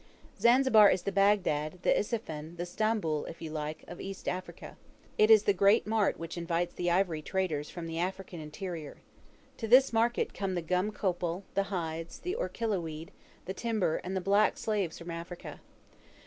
Zanzibar is the Bagdad, the Ispahan, the Stamboul, if you like, of East Africa. It is the great mart which invites the ivory traders from the African interior. To this market come the gum copal, the hides, the orchilla weed, the timber, and the black slaves from Africa.